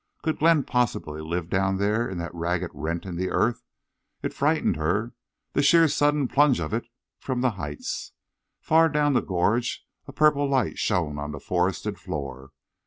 Could Glenn possibly live down there in that ragged rent in the earth? It frightened her—the sheer sudden plunge of it from the heights. Far down the gorge a purple light shone on the forested floor.